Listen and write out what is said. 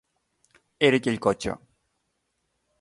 Era aquell cotxe.